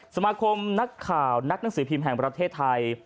สมาคมนักข่าวนักหนังสือพิมพ์แห่งประเทศไทย